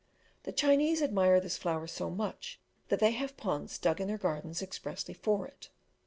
The Chinese admire this flower so much, that they have ponds dug in their gardens expressly for it.